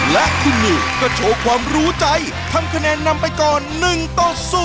และคุณนิวก็โชว์ความรู้ใจทำคะแนนนำไปก่อน๑ต่อ๐